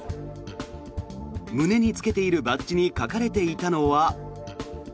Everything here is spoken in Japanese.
胸につけているバッジに書かれていたのは。